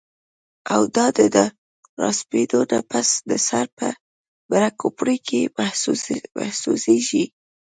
او دا د راپاسېدو نه پس د سر پۀ بره کوپړۍ کې محسوسيږي